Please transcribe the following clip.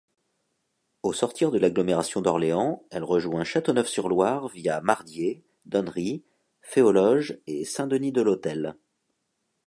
Au sortir de l'agglomération d'Orléans, elle rejoint Châteauneuf-sur-Loire via Mardié, Donnery, Fay-aux-Loges et Saint-Denis-de-l'Hôtel.